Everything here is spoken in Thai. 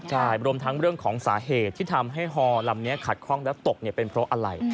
ใช่รวมทั้งเรื่องของสาเหตุที่ทำให้ฮอลำนี้ขัดข้องแล้วตกเป็นเพราะอะไร